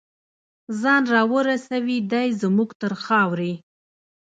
ځان راورسوي دی زمونږ تر خاورې